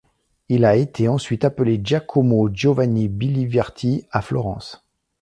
Il a été ensuite appelé Giacomo Giovanni Biliverti à Florence.